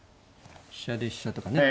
飛車で飛車とかね。